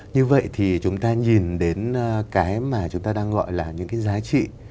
như vậy thì chúng ta nhìn đến cái mà chúng ta đang gọi là những cái giá trị